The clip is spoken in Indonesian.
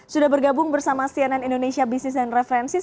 sudah bergabung dengan cnn indonesia business references